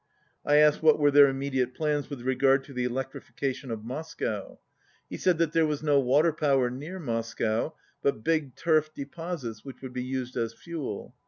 I asked what were their immediate plans with regard to the electrification of Moscow. He said that there was no water power near Moscow but big turf deposits which would be used as fuel.